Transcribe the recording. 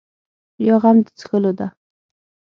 یا غم د څښلو ده.